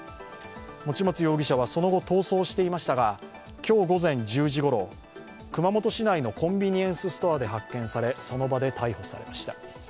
用松容疑者はその後、逃走していましたが今日午前１０時ごろ、熊本市内のコンビニエンスストアで発見されその場で逮捕されました。